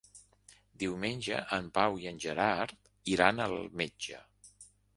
Diumenge en Pau i en Gerard iran al metge.